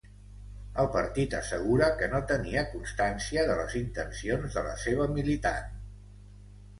El partit assegura que no tenia constància de les intencions de la seva militant.